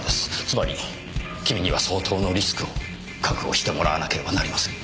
つまり君には相当のリスクを覚悟してもらわなければなりません。